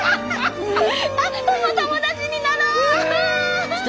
でも友達になろう！